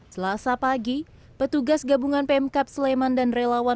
selasa pagi petugas gabungan pemkap sleman dan relawan